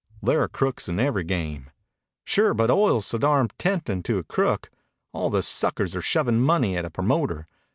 "There are crooks in every game." "Sure, but oil's so darned temptin' to a crook. All the suckers are shovin' money at a promoter.